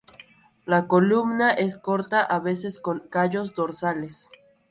La columna es corta, a veces con callos dorsales.